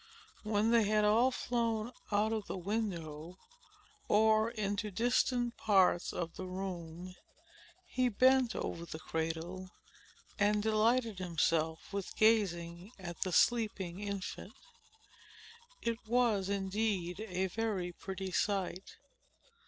When they had all flown out of the window, or into distant parts of the room, he bent over the cradle, and delighted himself with gazing at the sleeping infant. It was, indeed, a very pretty sight.